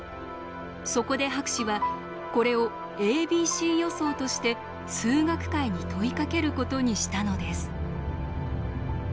そこで博士はこれを「ａｂｃ予想」として数学界に問いかけることにしたのです。